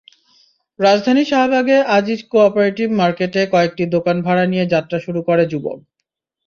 রাজধানীর শাহবাগে আজিজ কো-অপারেটিভ মার্কেটে কয়েকটি দোকান ভাড়া নিয়ে যাত্রা শুরু করে যুবক।